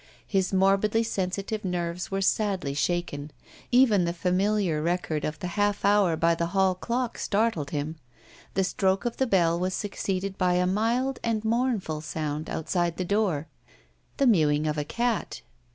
His morbidly sensitive nerves were sadly shaken. Even the familiar record of the half hour by the hall clock startled him. The stroke of the bell was succeeded by a mild and mournful sound outside the door the mewing of a cat.